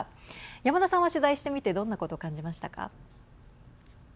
山田さんは取材してみてどんなことを感じましたか。